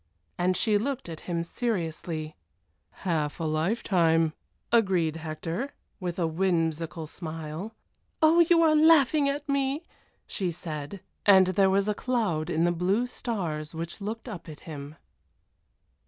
And she looked at him seriously. "Half a lifetime!" agreed Hector, with a whimsical smile. "Oh! you are laughing at me!" she said, and there was a cloud in the blue stars which looked up at him.